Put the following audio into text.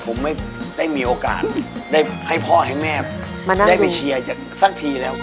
ผมไม่ได้มีโอกาสได้ให้พ่อให้แม่ได้ไปเชียร์สักทีแล้ว